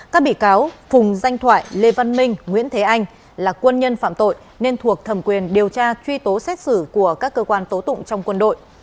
các bị cáo phùng danh thoại lê văn minh nguyễn thế anh là quân nhân phạm tội nên thuộc thẩm quyền điều tra truy tố xét xử của các cơ quan tố tụng trong quân đội